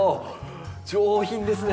上品ですね。